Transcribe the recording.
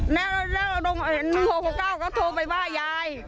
แล้ว๑๖๙ก็โทรไปว่ายาย